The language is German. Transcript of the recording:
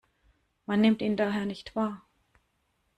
Man nimmt ihn daher nicht wahr.